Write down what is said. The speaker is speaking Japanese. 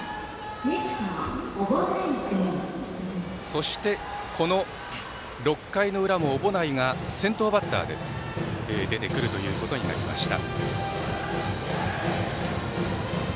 そして、この６回の裏も小保内が先頭バッターで出てくるということになりました。